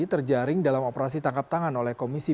terjaring dalam operasi tangkap tangan oleh komisi